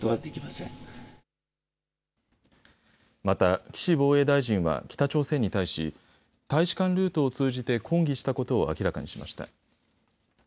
また、岸防衛大臣は北朝鮮に対し大使館ルートを通じて抗議したことを明らかにしました。